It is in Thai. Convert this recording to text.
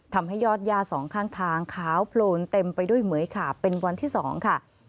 ทำให้ยอดย่าสองข้างทางขาวโพลนเต็มไปด้วยเหมือยขาบเป็นวันที่๒ค่ะ